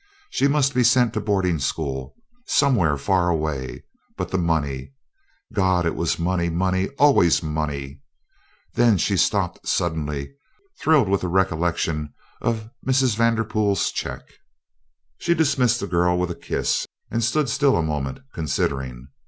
She must be sent to boarding school, somewhere far away; but the money? God! it was money, money, always money. Then she stopped suddenly, thrilled with the recollection of Mrs. Vanderpool's check. She dismissed the girl with a kiss, and stood still a moment considering.